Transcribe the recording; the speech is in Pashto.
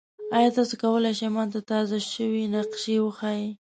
ایا تاسو کولی شئ ما ته تازه شوي نقشې وښایئ؟